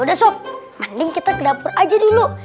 ya udah sob mending kita ke dapur aja dulu